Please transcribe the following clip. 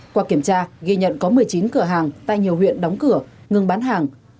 qua kiểm tra ghi nhận có một mươi chín cửa hàng tại nhiều huyện đóng cửa ngừng bán hàng